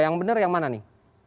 yang benar yang mana nih